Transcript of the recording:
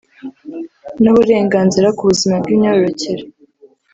n’uburengenzira ku buzima bw’imyororokere